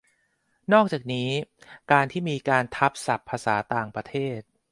นอกจากนี้ การที่มีการทับศัพท์ภาษาต่างประเทศ